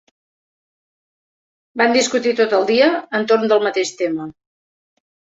Van discutir tot el dia entorn del mateix tema.